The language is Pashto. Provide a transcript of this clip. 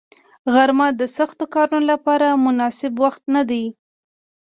غرمه د سختو کارونو لپاره مناسب وخت نه دی